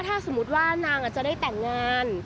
ถ้าสมมุติว่านางอาจจะได้แต่งงาน